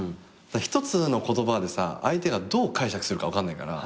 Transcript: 一つの言葉で相手がどう解釈するか分かんないから。